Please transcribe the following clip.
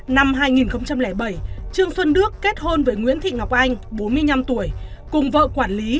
năm hai nghìn bảy trương xuân đức kết hôn với nguyễn thị ngọc anh bốn mươi năm tuổi cùng vợ quản lý